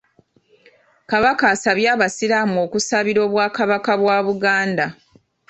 Kabaka asabye abasiraamu okusabira Obwakabaka bwa Buganda.